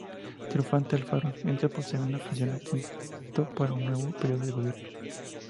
Triunfante Alfaro entra por segunda ocasión a Quito para un nuevo período de gobierno.